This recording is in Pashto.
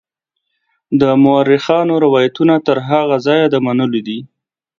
د مورخانو روایتونه تر هغه ځایه د منلو دي.